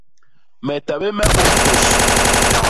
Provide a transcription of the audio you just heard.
Me ta bé me ôm tôs.